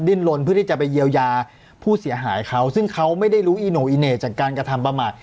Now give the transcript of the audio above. ลนเพื่อที่จะไปเยียวยาผู้เสียหายเขาซึ่งเขาไม่ได้รู้อีโน่อีเหน่จากการกระทำประมาท